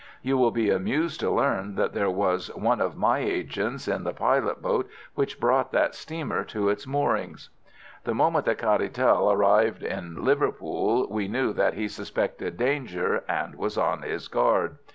You will be amused to learn that there was one of my agents in the pilot boat which brought that steamer to its moorings. "The moment that Caratal arrived in Liverpool we knew that he suspected danger and was on his guard.